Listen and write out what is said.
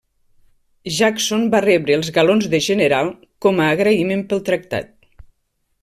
Jackson va rebre els galons de general com a agraïment pel tractat.